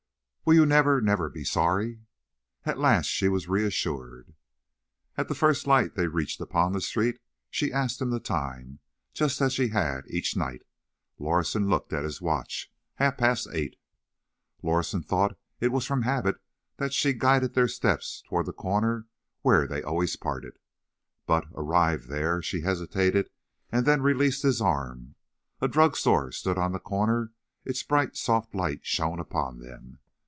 "Will you never, never be sorry?" At last she was reassured. At the first light they reached upon the street, she asked the time, just as she had each night. Lorison looked at his watch. Half past eight. Lorison thought it was from habit that she guided their steps toward the corner where they always parted. But, arrived there, she hesitated, and then released his arm. A drug store stood on the corner; its bright, soft light shone upon them.